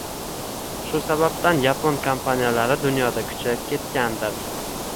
Shu sababdan Yapon kompaniyalari dunyoda kuchayib ketgandir.